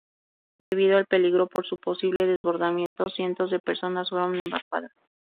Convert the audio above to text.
Debido al peligro por su posible desbordamiento, cientos de personas fueron evacuadas.